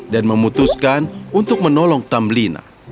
dan memutuskan untuk menolong tambelina